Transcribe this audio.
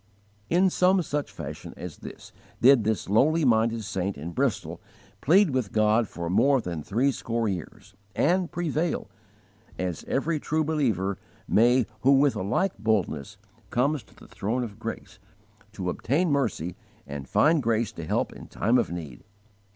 1, 243, 244) In some such fashion as this did this lowly minded saint in Bristol plead with God for more than threescore years, and prevail as every true believer may who with a like boldness comes to the throne of grace to obtain mercy and find grace to help in every time of need.